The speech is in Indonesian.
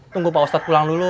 tunggu pak ustadz pulang dulu